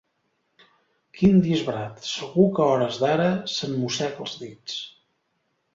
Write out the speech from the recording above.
Quin disbarat: segur que a hores d'ara se'n mossega els dits!